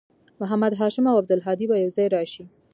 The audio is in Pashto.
محمد هاشم او عبدالهادي به یوځای راشي